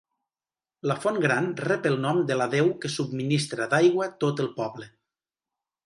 La Font Gran rep el nom de la deu que subministra d'aigua tot el poble.